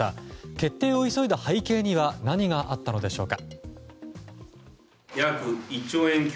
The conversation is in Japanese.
決定を急いだ背景には何があったのでしょうか。